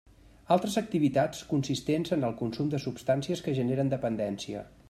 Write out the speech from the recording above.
Altres activitats consistents en el consum de substàncies que generen dependència.